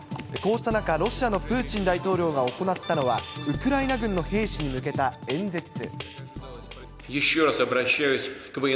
こうした中、ロシアのプーチン大統領が行ったのは、ウクライナ軍の兵士に向けた演説。